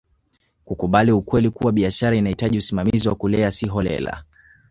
kukubali ukweli kuwa biashara inahitaji usimamizi wa kulea si holela